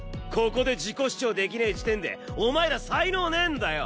ここで自己主張できねえ時点でお前ら才能ねえんだよ！